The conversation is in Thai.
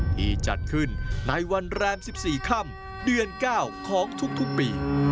ที่จัดขึ้นในวันแรม๑๔ค่ำเดือน๙ของทุกปี